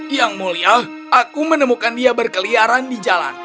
yang mulia aku menemukan dia berkeliaran di jalan